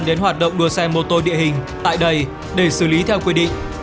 đến hoạt động đua xe mô tô địa hình tại đây để xử lý theo quy định